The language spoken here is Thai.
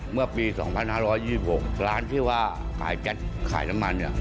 เมื่อปี๒๕๒๖ร้านที่ว่าขายแก๊สขายน้ำมันเนี่ย